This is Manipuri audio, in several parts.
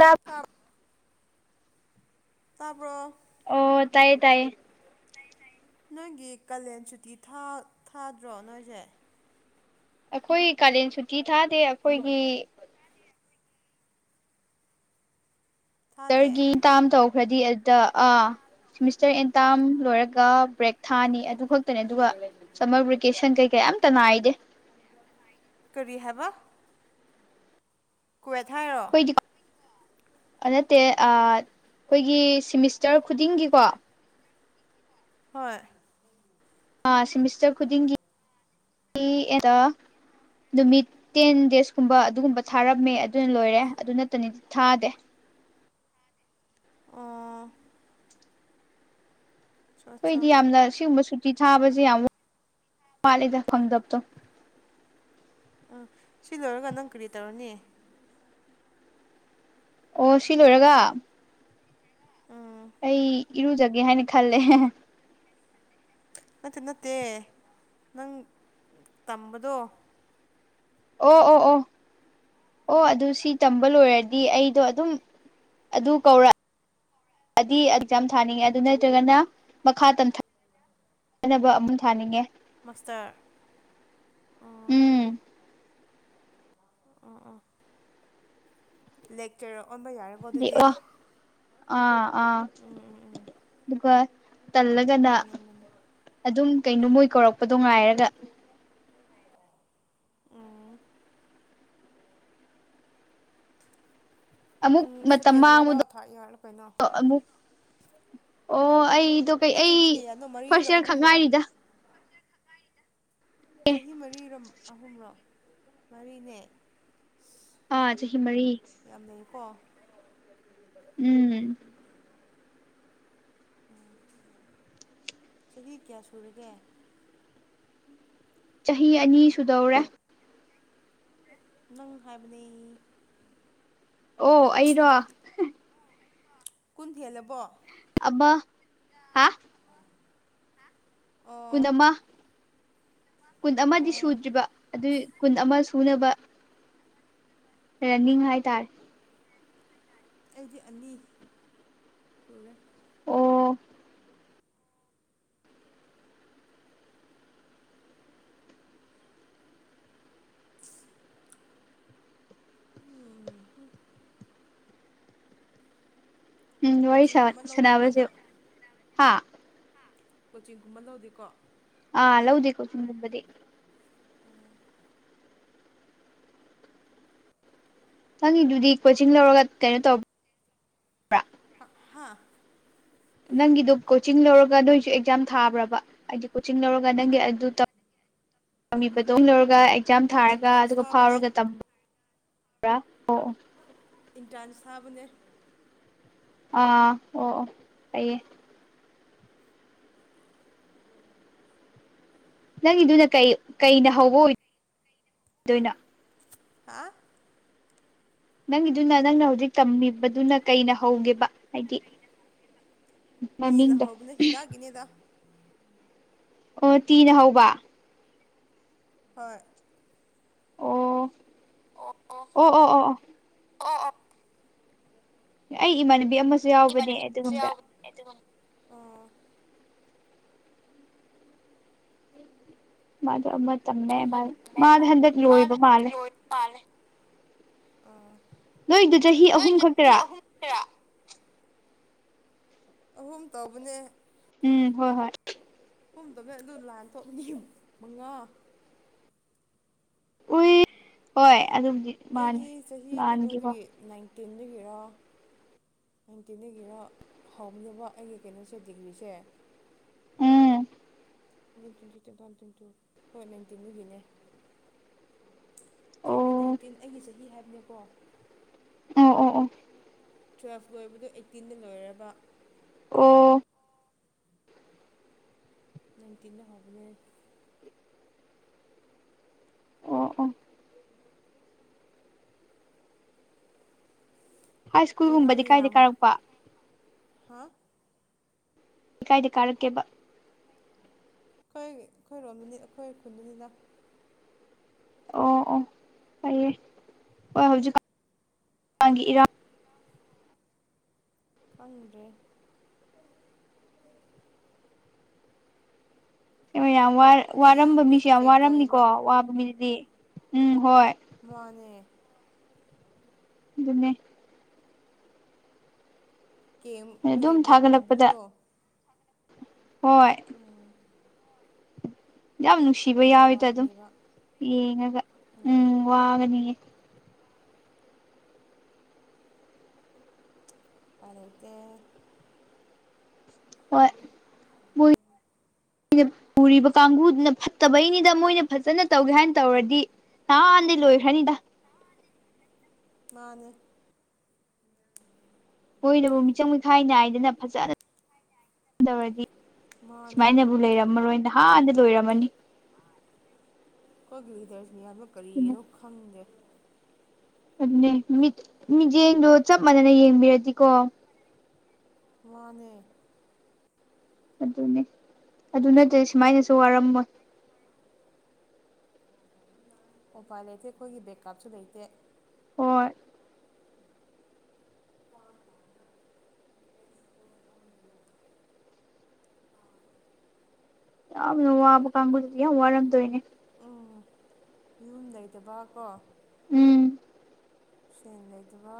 ꯇꯞ [inaudible] ꯇꯥꯕ꯭ꯔꯣ ꯑꯣ ꯇꯥꯏꯌꯦ ꯇꯥꯏꯌꯦ꯫ ꯅꯣꯏꯒꯤ ꯀꯥꯂꯦꯟ ꯁꯨꯇꯤ ꯊꯥꯗ꯭ꯔꯣ ꯅꯣꯏꯁꯦ ꯑꯩꯈꯣꯏ ꯀꯥꯂꯦꯟ ꯁꯨꯇꯤ ꯊꯥꯗꯦ ꯑꯩꯈꯣꯏꯒꯤ ꯊꯥꯗꯦ ꯇꯔꯒꯤ ꯇꯥꯝ ꯇꯧꯈ꯭ꯔꯗꯤ ꯁꯤꯃꯤꯁꯇꯔ ꯑꯦꯟ ꯇꯥꯝ ꯂꯣꯏꯔꯒ ꯕ꯭ꯔꯦꯛ ꯊꯥꯅꯤ ꯑꯗꯨꯈꯛꯇꯅꯦ ꯑꯗꯨꯒ ꯁꯝꯃꯔ ꯚꯦꯀꯦꯁꯟ ꯀꯩꯀꯩ ꯑꯃꯇꯥ ꯅꯥꯏꯗꯦ ꯀꯔꯤꯍꯥꯢꯕ [unintelligible] [unintelligible] ꯅꯠꯇꯦ ꯑꯩꯈꯣꯏꯒꯤ ꯁꯤꯦꯃꯤꯁꯇꯔ ꯈꯨꯗꯤꯡꯒꯤꯀꯣ ꯍꯣꯏ ꯁꯦꯃꯤꯁꯇ꯭ꯔ ꯈꯨꯗꯤꯡꯒꯤ ꯅꯨꯃꯤꯠ ꯇꯦꯟ ꯗꯦꯖꯀꯨꯝꯕ ꯑꯗꯨꯒꯨꯝꯕ ꯊꯥꯔꯝꯃꯦ ꯑꯗꯨꯅ ꯂꯣꯏꯔꯦ ꯑꯗꯨ ꯅꯠꯇꯅꯗꯤ ꯊꯥꯗꯦ ꯑꯥ ꯑꯆꯥ ꯑꯠꯆꯥ ꯑꯩꯈꯣꯏꯗꯤ ꯌꯥꯝꯅ ꯁꯤꯒꯨꯝꯕ ꯁꯨꯇꯤ ꯊꯥꯕꯁꯦ ꯌꯥꯝ ꯋꯥꯠꯂꯤꯦꯗ ꯐꯪꯗꯕꯗꯣ ꯑꯥ ꯁꯤ ꯂꯣꯏꯔꯒ ꯅꯪ ꯀꯔꯤ ꯇꯧꯔꯅꯤ ꯑꯣ ꯁꯤ ꯂꯣꯏꯔꯒ ꯎꯝ ꯑꯩ ꯏꯔꯨꯖꯒꯦ ꯍꯥꯏꯅ ꯈꯜꯂꯦ ꯅꯠꯇꯦ ꯅꯠꯇꯦ ꯅꯪ ꯇꯝꯕꯗꯣ ꯑꯣ ꯑꯣ ꯑꯣ ꯑꯣ ꯑꯗꯨ ꯁꯤ ꯇꯝꯕ ꯂꯣꯏꯔꯗꯤ ꯑꯩꯗꯣ ꯑꯗꯨꯝ ꯑꯗꯨ ꯀꯧꯔꯛ ꯑꯦꯛꯖꯥꯝ ꯊꯥꯅꯤꯡꯉꯦ ꯑꯗꯨ ꯅꯠꯇ꯭ꯔꯒꯅ ꯃꯈꯥ ꯇꯝꯊ ꯐꯅꯕ ꯑꯃꯨꯛ ꯊꯥꯅꯤꯡꯉꯦ ꯃꯁꯇ꯭ꯔ ꯎꯝ ꯑꯥ ꯑꯥ ꯂꯦꯛꯆ꯭ꯔ ꯑꯣꯟꯕ ꯌꯥꯔꯦ ꯗꯤ ꯑꯣ ꯑꯥ ꯑꯥ ꯎꯝ ꯎꯝ ꯎꯝ ꯑꯗꯨꯒ ꯇꯜꯂꯒꯅ ꯃꯥꯅꯦ ꯃꯥꯅꯦ ꯑꯗꯨꯝ ꯀꯩꯅꯣ ꯃꯣꯏ ꯀꯧꯔꯛꯄꯗꯣ ꯉꯥꯏꯔꯒ ꯎꯝ ꯑꯃꯨꯛ ꯎꯝ ꯃꯇꯝ ꯁꯦꯀꯦꯟ ꯏꯌꯥꯔꯗ ꯃꯥꯡꯕꯗꯣ ꯊꯥꯔꯠ ꯏꯌꯥꯔꯗ ꯀꯩꯅꯣ ꯑꯃꯨ ꯑꯩꯗꯣ ꯀꯩ ꯅꯣꯏ ꯑꯩ ꯆꯍꯤ ꯀꯌꯥꯅꯣ ꯃꯔꯤꯔꯣ ꯐꯥꯔꯁ ꯏꯌꯥꯔ ꯈꯛ ꯑꯍꯨꯝꯔꯣ ꯉꯥꯏꯔꯤꯗ ꯆꯍꯤ ꯃꯔꯤꯔꯣꯝ ꯑꯍꯨꯝꯔꯣ ꯃꯔꯤꯅꯦ ꯑꯥ ꯆꯍꯤ ꯃꯔꯤ ꯌꯥꯝ ꯂꯩꯌꯦꯀꯣ ꯎꯝ ꯆꯍꯤ ꯀꯌꯥ ꯁꯨꯔꯒꯦ꯫ ꯆꯍꯤ ꯑꯅꯤ ꯁꯨꯗꯧꯔꯦ꯫ ꯅꯪ ꯍꯥꯏꯕꯅꯤ꯫ ꯑꯣ ꯑꯩꯔꯣ꯫ ꯀꯨꯟ ꯍꯦꯜꯂꯕꯣ꯫ ꯑꯃꯥ꯫ ꯑꯣ ꯀꯨꯟ ꯑꯃ ꯀꯨꯟ ꯑꯃꯗꯤ ꯑꯣ ꯁꯨꯗ꯭ꯔꯤꯕ ꯑꯗꯨꯏ ꯀꯨꯟ ꯑꯃ ꯁꯨꯅꯕ꯫ ꯔꯦꯅꯤꯡ ꯍꯥꯏꯇꯥꯔꯦ꯫ ꯑꯩꯗꯤ ꯑꯅꯤ ꯁꯨꯔꯦ꯫ ꯑꯣ꯫ ꯎꯝ ꯎꯝ ꯋꯥꯔꯤ ꯁꯥ ꯀꯣꯆꯤꯡꯒꯨꯝꯕ ꯂꯧꯗꯦꯀꯣ ꯁꯅꯥꯕꯁꯦ ꯅꯪ ꯍꯥꯥ꯫ ꯀꯣꯆꯤꯡꯒꯨꯝꯕ ꯂꯧꯗꯦꯀꯣ꯫ ꯑ ꯂꯧꯗꯦ ꯀꯣꯆꯤꯡꯒꯨꯝꯕꯗꯤ꯫ ꯅꯪꯉꯤꯗꯨꯗꯤ ꯀꯣꯆꯤꯡ ꯂꯧꯔꯒ ꯀꯩꯅꯣ ꯇꯧ ꯍꯥ꯫ ꯅꯪꯒꯤꯗꯨ ꯀꯣꯆꯤꯡ ꯂꯧꯔꯒ ꯅꯣꯏꯁꯨ ꯑꯦꯛꯖꯥꯝ ꯊꯥꯕ꯭ꯔꯕ꯫ ꯍꯥꯏꯗꯤ ꯀꯣꯆꯤꯡ ꯂꯧꯔꯒ ꯅꯪꯒꯤ ꯑꯗꯨ ꯇꯧ [unintelligible] ꯂꯧꯔꯒ ꯑꯦꯛꯖꯥꯝ ꯎꯝ ꯊꯥꯔꯒ ꯏꯟꯇ꯭ꯔꯥꯟꯁ ꯑꯗꯨꯒ ꯊꯥꯕꯅꯦ ꯐꯥꯎꯔꯒ ꯇꯝꯕꯕ꯭ꯔꯥ ꯑꯣ ꯑꯣ꯫ ꯑꯦꯟꯇ꯭ꯔꯥꯟꯁ ꯊꯥꯕꯅꯦ꯫ ꯑꯥ ꯑꯣ ꯑꯣ ꯑꯩꯩꯌꯦ꯫ ꯅꯪꯒꯤꯗꯨꯅ ꯀꯩ ꯀꯩꯅ ꯍꯧꯕ ꯑꯣꯏꯗꯣꯏꯅꯣ꯫ ꯍꯥꯥ꯫ ꯅꯪꯒꯤꯗꯨꯅ ꯅꯪꯅ ꯍꯧꯖꯤꯛ ꯇꯝꯃꯤꯕꯗꯨꯅ ꯀꯩꯅ ꯍꯧꯒꯦꯕ ꯍꯥꯏꯗꯤ ꯄꯤꯅ ꯃꯃꯤꯡꯗꯣ꯫ ꯍꯧꯕꯅꯦ ꯍꯤꯗꯥꯛꯀꯤꯅꯤꯗ ꯑꯣ ꯇꯤꯅ ꯍꯧꯕ꯫ ꯍꯣꯏ꯫ ꯑꯣ ꯑꯣ ꯑꯣ ꯑꯣꯑꯣ꯫ ꯑꯩꯒꯤ ꯏꯃꯥꯟꯅꯕꯤ ꯑꯃ [unintelligible] ꯑꯣ꯫ ꯃꯗꯣ ꯑꯃ ꯇꯝꯃꯦ ꯃꯥ ꯃꯥꯗꯣ ꯍꯟꯗꯛ ꯂꯣꯏꯕ ꯃꯥꯜꯂꯦ [unintelligible] ꯑꯥ꯫ ꯅꯣꯏꯗꯨ ꯆꯍꯤ ꯑꯍꯨꯝ ꯅꯣꯏꯗꯨꯗꯤ ꯈꯛꯇꯔꯥ꯫ [unintelligible] ꯑꯍꯨꯝ ꯇꯧꯕꯅꯦ꯫ ꯎꯝ ꯍꯣꯏ ꯍꯣꯏ꯫ [unintelligible] ꯑꯗꯨ ꯂꯥꯟ ꯊꯣꯛꯑꯅꯤꯌꯨ ꯃꯉꯥ ꯎꯏ ꯍꯣꯏ ꯑꯗꯨꯕꯨꯗꯤ ꯃꯥꯅꯤ ꯑꯩꯗꯤ ꯆꯍꯤ ꯂꯥꯟꯒꯤꯀꯣ ꯀꯩꯅꯣꯗꯒꯤ ꯅꯥꯏꯟꯇꯤꯟꯗꯒꯤꯔ꯫ ꯅꯥꯏꯟꯇꯤꯟꯗꯒꯤꯔ ꯍꯧꯕꯅꯦꯕ ꯑꯩꯒꯤ ꯀꯩꯅꯣꯁꯦ ꯗꯤꯒ꯭ꯔꯤꯁꯦ꯫ ꯎꯝ꯫ ꯅꯥꯏꯟ ꯇ꯭ꯋꯦꯟꯇꯤ ꯇꯨ ꯇ ꯋꯥꯟ ꯇ꯭ꯋꯦꯟ ꯇꯨ ꯍꯣꯏ ꯅꯥꯏꯟꯇꯤꯟꯗꯒꯤꯅꯦ꯫ ꯑꯣ ꯆꯍꯤ ꯅꯥꯏꯟꯇꯤꯟ ꯑꯩꯒꯤ ꯆꯍꯤ ꯍꯥꯏꯕꯅꯦꯀꯣ꯫ ꯑꯣ ꯑꯣ ꯑꯣ꯫ ꯇꯨꯌꯦꯜꯐ ꯂꯣꯏꯕꯗꯣ ꯑꯩꯠꯇꯤꯟꯗ ꯂꯣꯏꯔꯕ꯫ ꯑꯣ ꯅꯥꯏꯟꯇꯤꯟꯗ ꯍꯥꯏꯕꯅꯦ꯫ ꯑꯣ ꯑꯣ ꯑꯥꯏꯁ꯫ ꯏꯔꯥꯡꯒ ꯌꯥꯝ ꯍꯥ꯫ ꯀꯥꯏꯗ ꯀꯥꯔꯛꯀꯦꯕ꯫ ꯑꯩꯈꯣꯏ ꯑꯩꯈꯣꯏꯔꯣꯝꯗꯨꯅꯤ ꯑꯩꯈꯣꯏ ꯈꯨꯟꯗꯨꯅꯤꯗ꯫ ꯑꯣ ꯑꯣ ꯐꯌꯦ ꯍꯣꯏ ꯍꯧꯖꯤꯛꯀꯥꯟ ꯏꯔꯥꯡ ꯈꯪꯗ꯭ꯔꯦ꯫ ꯌꯥꯝ ꯋꯥꯏ ꯋꯥꯔꯝꯕ ꯃꯌꯥꯝꯅ ꯃꯤꯁꯨ ꯌꯥꯝ ꯑꯦꯐꯦꯛ ꯋꯥꯔꯝꯅꯤꯀꯣ ꯇꯧꯋꯦꯕ ꯋꯥꯕ ꯃꯤꯗꯨꯗꯤ ꯎꯝ ꯍꯣꯏ꯫ ꯃꯥꯅꯦ ꯑꯗꯨꯅꯦ ꯀꯦꯝꯗ ꯑꯗꯨꯝ ꯂꯩꯕ ꯊꯥꯒꯠꯂꯛꯄꯗ ꯀꯥꯡꯕꯨꯗꯣ ꯍꯣꯏ꯫ ꯎꯝ ꯌꯥꯝ ꯅꯨꯡꯁꯤꯕ ꯃꯣꯏꯁꯨ ꯌꯥꯎꯋꯤꯗ ꯑꯗꯨꯝ ꯋꯥꯔꯝꯅꯦꯕ ꯌꯦꯡꯉꯒ ꯎꯝ ꯋꯥꯒꯅꯤꯌꯦ ꯄꯅꯩꯗ ꯍꯣꯏꯣꯏ ꯑꯩꯅ ꯎꯔꯤꯕ ꯀꯥꯡꯕꯨꯗꯨꯅ ꯐꯠꯇꯕꯩꯅꯤꯗ ꯃꯣꯏꯅ ꯐꯖꯅ ꯇꯧꯒꯦ ꯍꯥꯏꯅ ꯇꯧꯔꯗꯤ [unintelligible] ꯂꯣꯏꯈꯔꯅꯤꯗ꯫ ꯃꯥꯅꯦ ꯃꯣꯏꯅꯕꯨ ꯃꯤꯆꯪ ꯃꯤꯈꯥꯏ ꯅꯥꯏꯗꯅ ꯐꯖꯅ ꯇꯧꯔꯗꯤ ꯃꯥꯅꯦ ꯁꯨꯃꯥꯏꯅꯕꯨ ꯂꯩꯔꯝꯃꯔꯣꯏ ꯅꯍꯥꯟꯅ ꯂꯣꯏꯔꯝꯃꯅꯤ꯫ ꯑꯩꯈꯣꯏꯒꯤ ꯂꯤꯗꯔꯁ ꯃꯤꯌꯥꯝꯅ ꯀꯔꯤꯒꯤꯅꯣ ꯈꯪꯗꯦ ꯑꯗꯨ ꯃꯤꯠꯌꯦꯡꯗꯣ ꯆꯞ ꯃꯥꯟꯅꯅ ꯌꯦꯡꯕꯤꯔꯗꯤꯀꯣ ꯋꯥꯅꯦ ꯑꯗꯨꯅꯦ ꯑꯗꯨ ꯅꯠꯇꯗꯤ ꯁꯨꯃꯥꯏꯅꯁꯨ ꯋꯥꯔꯝꯃꯣꯏ ꯃꯣꯕꯥꯥꯏ ꯂꯩꯇꯦ ꯑꯩꯈꯣꯏꯒꯤ ꯕꯦꯀꯞꯁꯨ ꯂꯩꯇꯦ ꯍꯣꯏ ꯋꯥ ꯀ ꯀꯥꯡꯕꯨꯖꯔꯤ ꯋꯥ ꯑꯔꯝꯗꯣꯏꯦ ꯁ ꯂꯩꯇꯕ ꯀꯣ ꯎꯝ ꯐ꯭ꯔꯦꯟ ꯂꯩꯇꯕ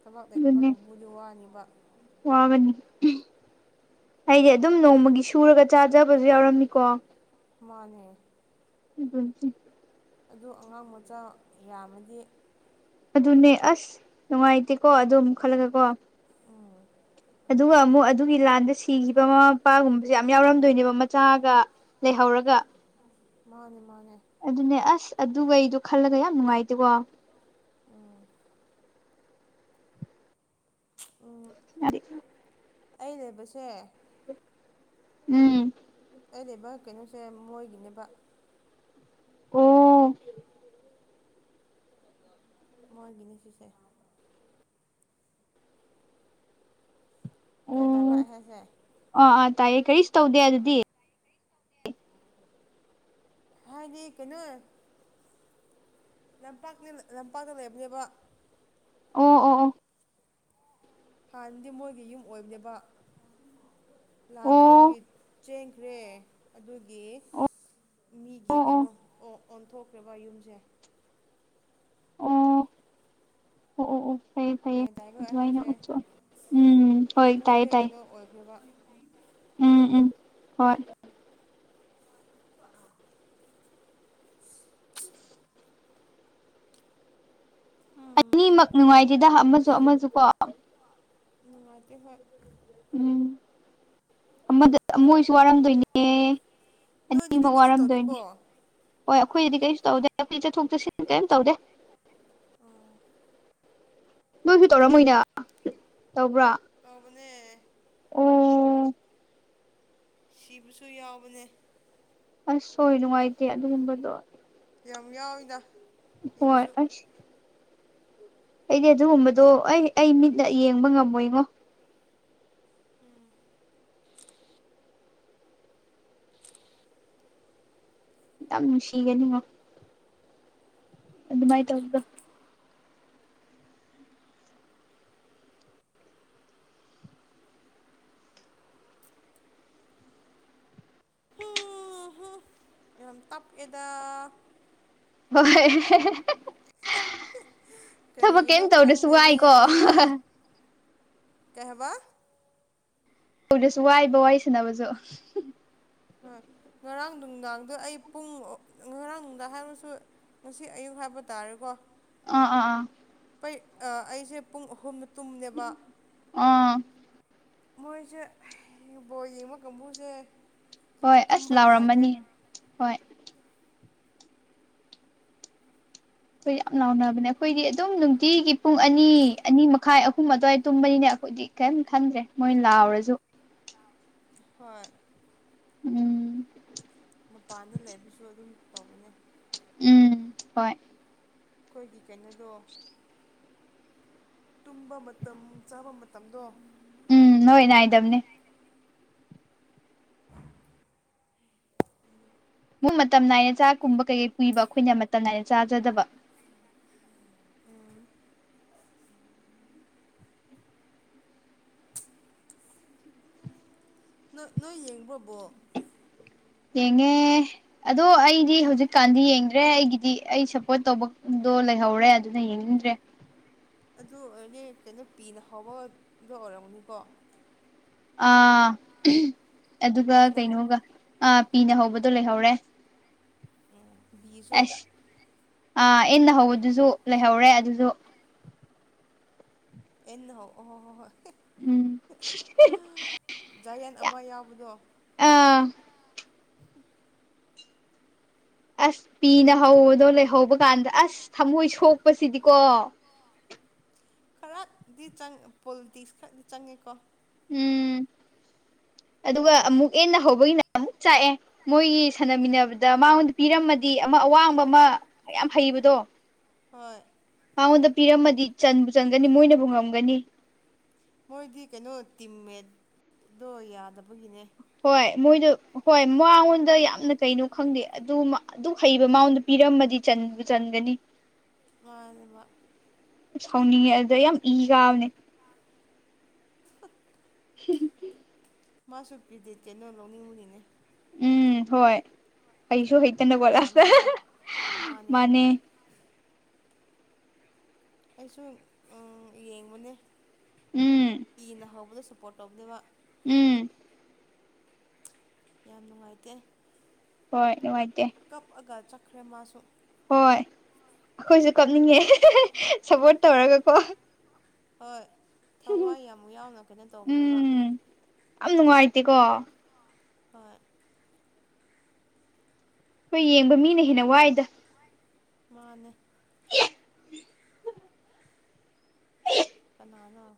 ꯊꯕꯛ ꯂꯩꯇꯕ ꯑꯗꯨꯅꯦ ꯀꯥꯡꯕꯨꯗꯤ ꯋꯥꯅꯤꯕ ꯋꯥꯒꯅꯤ ꯑꯩꯗꯤ ꯑꯗꯨꯝ ꯅꯣꯡꯃꯒꯤ ꯁꯨꯔꯒ ꯆꯥꯖꯕꯁꯨ ꯌꯥꯎꯔꯝꯃꯤꯀꯣ ꯃꯥꯅꯦ ꯎꯝ ꯎꯝ ꯑꯗꯨ ꯑꯉꯥꯡ ꯃꯆꯥ ꯌꯥꯝꯃꯗꯤ ꯑꯗꯨꯅꯦ ꯑꯁ ꯅꯨꯡꯉꯥꯏꯇꯦꯀꯣ ꯑꯗꯨꯝ ꯈꯜꯂꯒ ꯀꯣ꯫ ꯎꯝ ꯑꯗꯨꯒ ꯑꯃꯨꯛ ꯑꯗꯨꯒꯤ ꯂꯥꯟꯗ ꯁꯤꯈꯤꯕ ꯃꯃꯥ ꯃꯄꯥꯒꯨꯝꯕꯁꯦ ꯌꯥꯝ ꯌꯥꯎꯔꯝꯗꯣꯏꯅꯦꯕ ꯃꯆꯥꯒ ꯂꯩꯍꯧꯔꯒ ꯃꯥꯅꯦ ꯃꯥꯅꯦ꯫ ꯑꯗꯨꯅꯦ ꯑꯁ ꯑꯗꯨꯒꯩꯗꯣ ꯈꯜꯂꯒ ꯌꯥꯝ ꯅꯨꯡꯉꯥꯏꯇꯦꯀꯣ꯫ ꯎꯝ ꯑꯣ [unintelligible] ꯑꯩ ꯂꯩꯕꯁꯦ ꯎꯝ ꯑ ꯂꯩꯕ ꯀꯩꯅꯣꯁꯦ ꯃꯣꯏꯒꯤꯅꯦꯕ ꯑꯣ꯫ ꯃꯣꯏ ꯅꯤꯁꯤꯁꯦ ꯒ꯭ꯟ ꯇꯥꯕ ꯑꯣ ꯑꯩ ꯍꯥꯏꯁꯦ ꯑꯥ ꯑꯥ ꯇꯥꯏꯌꯦ ꯀꯔꯤꯁꯨ ꯇꯧꯗꯦ ꯑꯗꯨꯗꯤ꯫ ꯍꯥꯏꯗꯤ ꯀꯩꯅꯣ ꯂꯝꯄꯥꯛꯅꯤ ꯂꯝꯄꯥꯛꯇ ꯂꯩꯔꯕꯅꯦꯕ ꯑꯣ ꯑꯣ ꯑꯣ ꯑꯣ ꯑꯣ ꯑꯣ ꯑꯣ ꯍꯥꯟꯅꯗꯤ ꯃꯣꯏꯒꯤ ꯌꯨꯝ ꯑꯣꯏꯕꯅꯦꯕ ꯂꯥꯟ ꯊꯣꯛꯄꯒꯤ ꯆꯦꯟꯈ꯭ꯔꯦ ꯑꯗꯨꯒꯤ ꯃꯤꯒꯤ ꯑꯣ ꯀꯩꯅꯣ ꯑꯣꯟ ꯑꯣꯟꯊꯣꯛꯈ꯭ꯔꯦꯕ ꯌꯨꯝꯁꯦ꯫ ꯑꯣ ꯑꯣ ꯑꯣ ꯐꯩꯌꯦ ꯐꯩꯌꯦ ꯒꯌꯥꯟ ꯇꯥꯔꯕ꯭ꯔꯥ ꯑꯩꯅ ꯑꯗꯨꯃꯥꯏꯅ ꯍꯥꯏꯁꯦ ꯎꯠꯊꯣꯛꯑꯣ ꯎꯝ ꯍꯣꯏ ꯇꯥꯏꯌꯦ ꯃꯄꯨꯁꯦ ꯇꯥꯏꯌꯦ ꯀꯩꯅꯣ ꯑꯣꯏꯈ꯭ꯔꯕ ꯎꯝ ꯎꯝ ꯍꯣꯏ [unintelligible] ꯑꯅꯤꯃꯛ ꯅꯨꯡꯉꯥꯏꯇꯦꯗ ꯑꯃꯁꯨ ꯑꯃꯁꯨ ꯀꯣ ꯅꯨꯡꯉꯥꯏꯗꯤ ꯍꯣꯏ ꯎꯝ ꯑꯃꯗ ꯑꯃ ꯑꯣꯏꯁꯨ ꯋꯥꯔꯝꯗꯣꯏꯅꯦ ꯅꯣꯏꯗꯨꯗꯤ ꯑꯅꯤꯃꯛ ꯀꯩꯁꯨ ꯋꯥꯔꯝꯗꯣꯏꯅꯦ ꯇꯧꯗꯦꯀꯣ ꯍꯣꯏ ꯑꯩꯈꯣꯏꯗꯗꯤ ꯀꯩꯁꯨ ꯇꯧꯗꯦ ꯑꯩꯈ ꯆꯠꯊꯣꯛ ꯆꯠꯁꯤꯟ ꯀꯔꯤꯝ ꯇꯧꯗꯦ ꯑꯣꯥ ꯅꯣꯏꯁꯨ ꯇꯧꯔꯝꯃꯣꯏꯅ ꯇꯧꯕ꯭ꯔꯥ꯫ ꯑꯧ ꯃꯅꯦ ꯑꯣ ꯁꯤꯕꯁꯨ ꯌꯥꯎꯕꯅꯦ ꯑꯁ ꯍꯣꯏ ꯅꯨꯡꯉꯥꯏꯇꯦ ꯑꯗꯨꯒꯨꯝꯕꯗꯣ ꯌꯥꯝ ꯌꯥꯎꯋꯤꯗ ꯍꯣꯏ ꯁꯤꯕꯁꯨ ꯑꯁ ꯑꯩꯗꯤ ꯑꯗꯨꯒꯨꯝꯕꯗꯣ ꯑꯩ ꯑꯩ ꯃꯤꯠꯅ ꯌꯦꯡꯕ ꯉꯝꯃꯣꯏꯉꯣ ꯎꯝ ꯌꯥꯝ ꯅꯨꯡꯁꯤꯒꯅꯤꯅꯣ ꯑꯗꯨꯏ ꯇꯧꯗꯣ ꯇꯞ ꯌꯦꯗ ꯍꯣꯏ ꯊꯕꯛ ꯀꯔꯤꯒꯤꯅꯣ ꯀꯩꯝ ꯇꯧꯗ꯭ꯔꯁꯨ ꯈꯪꯗꯦꯅꯦ ꯋꯥꯏꯀꯣ ꯀꯩ ꯍꯥꯏꯕ꯫ [unintelligible] ꯋꯥꯥꯏꯕ ꯋꯥꯔꯤ ꯁꯥꯟꯅꯕꯁꯨ꯫ ꯍꯣꯏ ꯉꯔꯥꯡ ꯅꯨꯡꯗꯥꯡꯗ ꯑꯩ ꯄꯨꯡ ꯉꯔꯥꯡ ꯅꯨꯡꯗꯥꯡ ꯍꯥꯏꯔꯁꯨ ꯉꯁꯤ ꯑꯌꯨꯛ ꯍꯥꯏꯕ ꯇꯥꯔꯦꯀꯣ꯫ ꯑꯥ ꯑꯥ ꯑꯥ ꯑꯩ ꯑꯩꯁꯦ ꯄꯨꯡ ꯑꯍꯨꯝꯅ ꯇꯨꯝꯅꯦꯕ ꯑꯥ ꯃꯣꯏꯁꯦ ꯕꯣꯜ ꯌꯦꯡꯕ ꯀꯥꯡꯕꯨꯁꯦ ꯍꯣꯏ ꯑꯁ ꯇꯨꯝꯕ ꯌꯥꯗ꯭ꯔꯦ ꯂꯥꯎꯔꯝꯃꯅꯤ ꯍꯣꯏ ꯑꯩꯈꯣꯏ ꯌꯥꯝ ꯂꯥꯎꯅꯕꯅꯦ ꯑꯩꯈꯣꯏꯗꯤ ꯑꯗꯨꯝ ꯅꯨꯡꯇꯤꯒꯤ ꯄꯨꯡ ꯑꯅꯤ ꯑꯅꯤ ꯃꯈꯥꯏ ꯑꯍꯨꯝ ꯑꯗꯨꯋꯥꯏꯗ ꯇꯨꯝꯕꯅꯤꯅ ꯑꯩꯈꯣꯏꯗꯤ ꯀꯩꯝ ꯈꯟꯗ꯭ꯔꯦ ꯃꯣꯏ ꯎꯝ ꯂꯥꯎꯔꯁꯨ ꯍꯣꯏ ꯎꯝ ꯃꯄꯥꯟꯗ ꯂꯩꯕꯁꯨ ꯑꯗꯨꯝ ꯇꯧꯕꯅꯦ ꯎꯝ ꯍꯣꯏ ꯑꯩꯈꯣꯏꯒꯤ ꯀꯩꯅꯣꯗꯣ ꯇꯨꯝꯕ ꯃꯇꯝ ꯆꯥꯕ ꯃꯇꯝꯗꯣ ꯎꯝ ꯅꯣꯏ ꯅꯥꯏꯗꯕꯅꯦ ꯃꯛ ꯃꯇꯝ ꯅꯥꯏꯅ ꯆꯥꯛ ꯀꯨꯝꯕ ꯀꯩꯀꯩ ꯄꯨꯏꯕ ꯑꯩꯈꯣꯏꯅ ꯃꯇꯝ ꯅꯥꯏꯅ ꯆꯥꯖꯗꯕ ꯅꯣꯏ ꯅꯣꯏ ꯌꯦꯡꯕ꯭ꯔꯣꯕꯣ ꯌꯦꯉꯦ ꯑꯗꯣ ꯑꯩꯗꯤ ꯍꯧꯖꯤꯛꯀꯥꯟꯗꯤ ꯌꯦꯡꯗ꯭ꯔꯦ ꯑꯩꯒꯤꯗꯤ ꯑꯩ ꯁꯞꯄꯣꯔꯠ ꯇꯧꯕꯗꯣ ꯂꯩꯍꯧꯔꯦ ꯑꯗꯨꯅ ꯌꯦꯡꯅꯤꯡꯗ꯭ꯔꯦ ꯑꯗꯨ ꯑꯣꯏꯔꯅꯦ ꯀꯩꯅꯣ ꯄꯤꯅ ꯍꯧꯕꯗꯣ ꯑꯣꯏꯔꯝꯒꯅꯤꯀꯣ ꯑꯥ ꯑꯗꯨꯒ ꯄꯤꯅ ꯍꯧ ꯀꯩꯅꯣꯒ ꯑ ꯄꯤꯅꯍꯧꯕꯗꯣ ꯂꯩꯍꯧꯔꯦ ꯎꯝ ꯕꯤꯁꯨ ꯑ ꯏꯟꯅ ꯍꯧꯕꯗꯨꯁꯨ ꯂꯩꯍꯧꯔꯦ ꯑꯗꯨꯁꯨ ꯑꯦꯟꯅ ꯍꯣ ꯑꯣ ꯍꯣꯏ ꯍꯣꯏ ꯍꯣꯏ ꯎꯝ ꯖꯌꯦꯟ ꯑꯃ ꯌꯥꯎꯕꯗꯣ ꯑꯥ ꯑꯁ ꯄꯤꯅ ꯍꯧꯕꯗꯣ ꯂꯩꯍꯧꯕ ꯀꯥꯟꯗ ꯑꯁ ꯊꯝꯃꯣꯏ ꯁꯣꯛꯄꯁꯤꯗꯤꯀꯣ ꯑꯗꯨꯗꯤ ꯆꯪ ꯄꯣꯜꯇ ꯈꯔꯗꯤ ꯆꯪꯉꯦꯀꯣ ꯎꯝ ꯑꯗꯨꯒ ꯑꯃꯨꯛ ꯍꯦꯟꯅ ꯍꯧꯕꯒꯤꯅ ꯆꯥꯛꯑꯦ ꯃꯣꯏꯒꯤ ꯁꯥꯟꯅꯃꯤꯟꯅꯕꯗ ꯃꯉꯣꯟꯗ ꯄꯤꯔꯝꯃꯗꯤ ꯑꯃ ꯑꯋꯥꯡꯕ ꯑꯃ ꯌꯥꯝ ꯍꯩꯕꯗꯣ ꯍꯣꯏ ꯃꯉꯣꯟꯗ ꯄꯤꯔꯝꯃꯗꯤ ꯆꯟꯕꯨ ꯆꯟꯒꯅꯤ ꯃꯣꯏꯅꯕꯨ ꯉꯝꯒꯅꯤ ꯃꯣꯏꯗꯤ ꯀꯩꯅꯣ ꯇꯤꯝꯃꯦꯠꯇꯣ ꯌꯥꯗꯕꯒꯤꯅꯦ ꯍꯣꯏ ꯃꯣꯏꯗꯣ ꯍꯣꯏ ꯃꯉꯣꯟꯗ ꯌꯥꯝꯅ ꯀꯩꯅꯣ ꯈꯪꯗꯦ ꯑꯗꯨ ꯑꯗꯨ ꯍꯩꯕ ꯃꯥꯣꯟꯗ ꯄꯤꯔꯝꯃꯗꯤ ꯆꯟꯒꯅꯤ ꯃꯥꯅꯦ ꯃꯥ ꯁꯥꯎꯅꯤꯡꯉꯦ ꯑꯗꯨꯗ ꯌꯥꯝ ꯏ ꯀꯥꯕꯅꯦ ꯍꯦꯡ ꯃꯥꯁꯨ ꯄꯦꯗꯤꯠ ꯀꯩꯅꯣ ꯂꯧꯅꯤꯡꯉꯨꯅꯤꯅꯦ ꯎꯝ ꯍꯣꯏ ꯍꯩꯁꯨ ꯍꯩꯇꯅ ꯑꯗꯨ ꯈꯣꯠꯂ ꯄꯥꯝꯒꯤꯅꯦ ꯃꯥꯅꯦ ꯑꯩꯁꯨ ꯌꯦꯡꯕꯅꯦ ꯎꯝ ꯏꯅ ꯍꯧꯕꯗ ꯁꯄꯣꯔꯠ ꯇꯧꯕꯅꯦꯕ ꯎꯝ ꯌꯥꯝ ꯅꯨꯡꯉꯥꯏꯇꯦ꯫ ꯍꯣꯏ ꯅꯨꯡꯉꯥꯏꯇꯦ ꯀꯞꯑꯒ ꯆꯠꯈ꯭ꯔꯦ ꯃꯥꯁꯨ ꯍꯣꯏ ꯑꯩꯈꯣꯏꯁꯨ ꯀꯞꯅꯤꯡꯉꯦ ꯁꯞꯄꯣꯔꯠ ꯇꯧꯔꯒꯀꯣ ꯍꯣꯏ ꯊꯋꯥꯏ ꯌꯥꯝꯨꯛ ꯌꯥꯎꯅ ꯀꯩꯅꯣ ꯇꯧꯕꯅꯦꯕ ꯎꯝ ꯌꯥꯝ ꯅꯨꯡꯉꯥꯏꯇꯦꯀꯣ ꯍꯣꯏ ꯍꯣꯏ ꯌꯦꯡꯕ ꯃꯤꯅ ꯍꯦꯟꯅ ꯋꯥꯏꯗ꯫ ꯃꯥꯅꯦ [unintelligible] ꯀꯅꯥꯅꯣ